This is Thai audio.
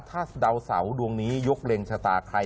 ถ้าดาวเสาดวงนี้ยกเล็งชะตาใคร